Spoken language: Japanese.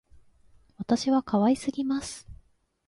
私は可愛すぎます